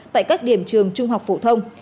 tại các điểm trường trung học phổ thông